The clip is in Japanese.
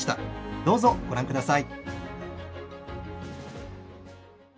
どうぞご覧ください。